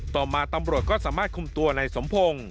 ต่อมาตำรวจก็สามารถคุมตัวในสมพงศ์